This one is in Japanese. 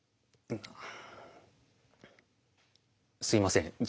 すいません。